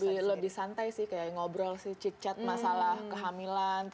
lebih santai sih kayak ngobrol sih cek chat masalah kehamilan